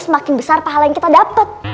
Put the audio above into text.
semakin besar pahala yang kita dapat